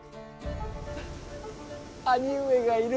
兄上がいる。